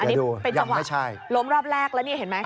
อันนี้เป็นจังหวะล้มรอบแรกแล้วนี่เห็นไหม